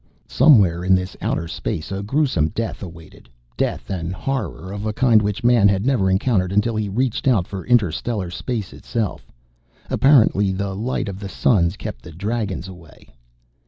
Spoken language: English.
Somewhere in this outer space, a gruesome death awaited, death and horror of a kind which Man had never encountered until he reached out for inter stellar space itself. Apparently the light of the suns kept the Dragons away.